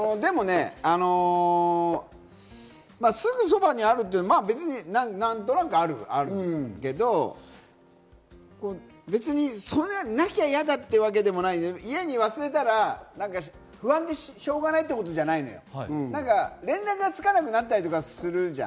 でも、すぐ側にあるって、何となくあるけど、別に、なきゃヤダってわけでもないんだけど家に忘れたら不安でしょうがないってほどじゃないのよ。連絡がつかなくなったりするじゃん。